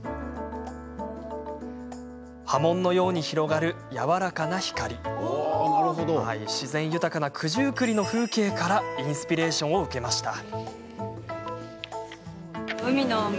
波紋のように広がるやわらかな光自然豊かな九十九里の風景からインスピレーションを受けました。